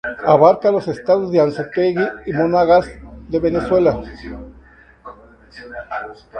Abarca los estados Anzoátegui y Monagas de Venezuela.